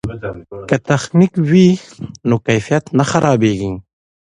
که تخنیک وي نو کیفیت نه خرابیږي.